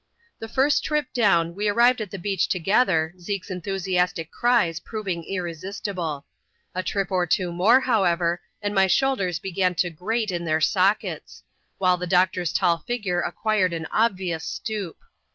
The first trip down, we arrived at the beach together, Zeke's enthusiastic cries proving irresistible. A trip or two more, l however, and my shoulders began to grate in their sockets; ^ while the doctor's tall figure acquired an obvious stoop.